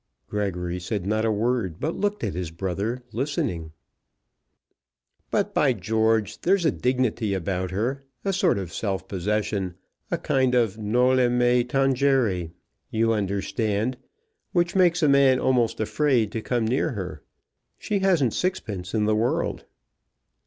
Gregory said not a word, but looked at his brother, listening. "But, by George there's a dignity about her, a sort of self possession, a kind of noli me tangere, you understand, which makes a man almost afraid to come near her. She hasn't sixpence in the world."